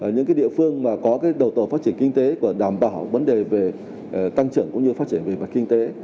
những địa phương có đầu tổ phát triển kinh tế và đảm bảo vấn đề về tăng trưởng cũng như phát triển về vật kinh tế